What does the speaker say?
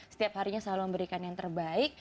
setiap harinya salam berikan yang terbaik